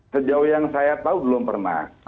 sejauh yang saya tahu belum pernah